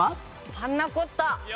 パンナコッタ。